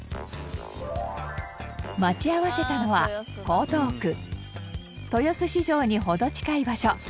待ち合わせたのは江東区豊洲市場に程近い場所。